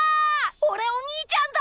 おれお兄ちゃんだ！